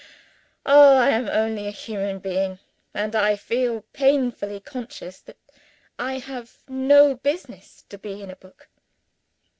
Oh, I am only a human being and I feel painfully conscious that I have no business to be in a book.)